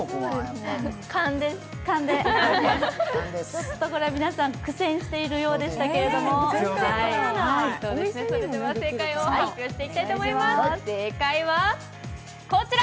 ちょっとこれは皆さん苦戦していたようですけれども、正解を発表していきたいと思います。